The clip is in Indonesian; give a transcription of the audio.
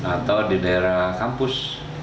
atau di daerah kampus